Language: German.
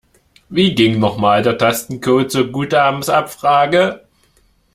Wie ging noch mal der Tastencode zur Guthabenabfrage?